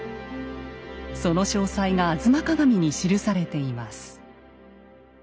その詳細が「吾妻鏡」に記されています。